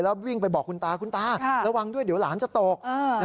แล้ววิ่งไปบอกคุณตาคุณตาระวังด้วยเดี๋ยวหลานจะตก